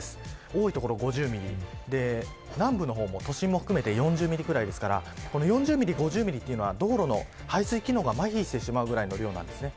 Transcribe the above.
多い所は５０ミリ南部の方も都心も含めて４０ミリぐらいですから４０ミリ、５０ミリというのは道路の排水機能がまひしてしまうくらいの量です。